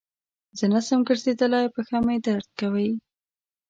زه نسم ګرځیدلای پښه مي درد کوی.